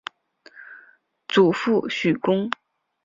祖父许恭。